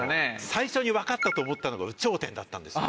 最初に分かったと思ったのが「有頂点」だったんですよ。